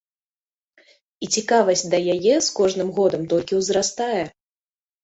І цікавасць да яе з кожным годам толькі ўзрастае.